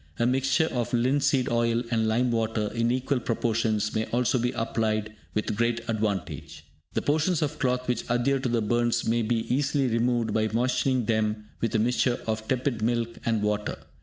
A mixture of linseed oil and lime water in equal proportions may also be applied with great advantage. The portions of cloth which adhere to the burns may be easily removed by moistening them with a mixture of tepid milk and water.